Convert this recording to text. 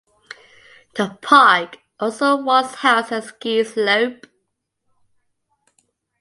The park also once housed a ski slope.